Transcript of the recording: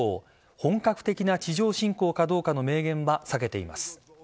本格的な地上侵攻かどうかの明言は避けています。